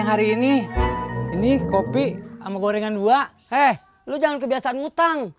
kan bisa beli di warung